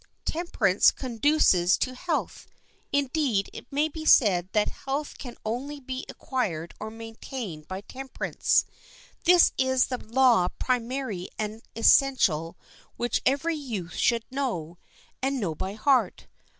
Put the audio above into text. Temperance conduces to health; indeed, it may be said that health can only be acquired or maintained by temperance. This is the law primary and essential which every youth should know, and know by heart.